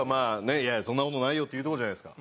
「いやいやそんな事ないよ」って言うとこじゃないですか。